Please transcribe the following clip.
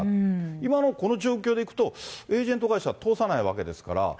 今のこの状況でいくと、エージェント会社を通さないわけですから。